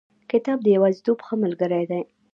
کتاب د یوازیتوب ښه ملګری دی.